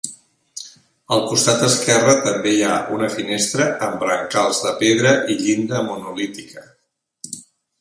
Al costat esquerre també hi ha una finestra amb brancals de pedra i llinda monolítica.